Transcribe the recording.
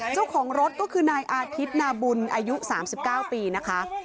เจ้าของรถก็คือนายอาทิตย์นาบุญอายุ๓๙ปีนะคะ